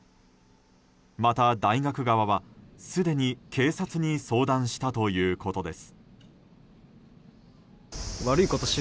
また大学側は、すでに警察に相談したということです。